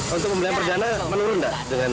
untuk pembelian perdana menurun nggak